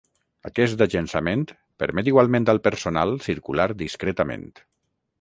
Aquest agençament permet igualment al personal circular discretament.